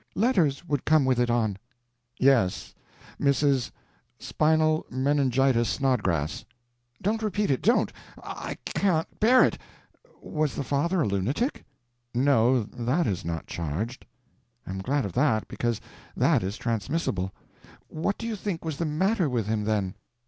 Letters would come with it on." "Yes—Mrs. Spinal Meningitis Snodgrass." "Don't repeat it—don't; I can't bear it. Was the father a lunatic?" "No, that is not charged." "I am glad of that, because that is transmissible. What do you think was the matter with him, then?"